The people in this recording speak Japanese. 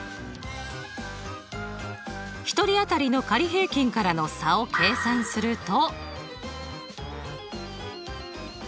１人当たりの仮平均からの差を計算すると。